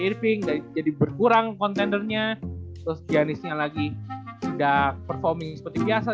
shipping dan jadi berkurang kontenernya terus janisnya lagi tidak performing seperti biasa